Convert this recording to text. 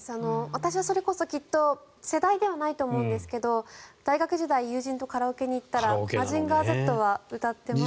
私はそれこそきっと世代ではないと思うんですけど大学時代に友人とカラオケに行ったら「マジンガーＺ」は歌ってました。